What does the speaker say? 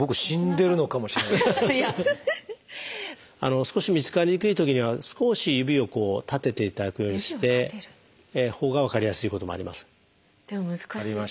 少し見つかりにくいときには少し指を立てていただくようにしてほうが分かりやすいこともあります。